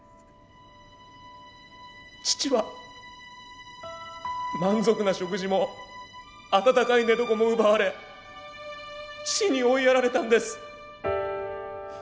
父は満足な食事も温かい寝床も奪われ死に追いやられたんです。